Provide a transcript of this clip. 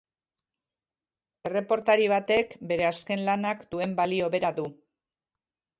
Erreportari batek bere azken lanak duen balio bera du.